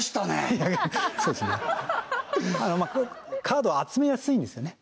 カードは集めやすいんですよね